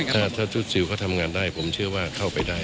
ถ้าชุดซิลเขาทำงานได้ผมเชื่อว่าเข้าไปได้